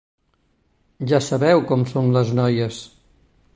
Ja sabeu com són les noies.